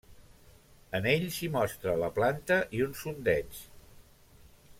En ell s'hi mostra la planta i un sondeig.